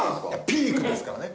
ピークですからね。